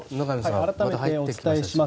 改めてお伝えします。